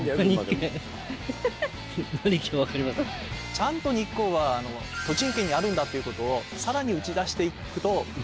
ちゃんと日光は栃木県にあるんだっていうことをさらに打ち出していくと。